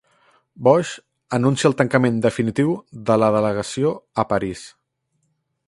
Bosch anuncia el tancament definitiu de la delegació a París